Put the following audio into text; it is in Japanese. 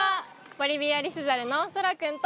ボリビアリスザルのソラくんと。